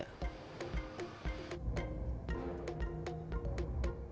sampai jumpa di video selanjutnya